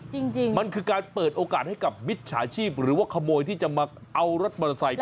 จริงจริงมันคือการเปิดโอกาสให้กับมิจฉาชีพหรือว่าขโมยที่จะมาเอารถมอเตอร์ไซค์